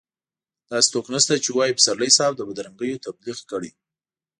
داسې څوک نشته چې ووايي پسرلي صاحب د بدرنګيو تبليغ کړی.